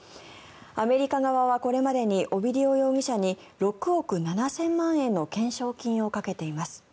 アメリカ側はこれまでにオビディオ容疑者に６億７０００万円の懸賞金をかけています。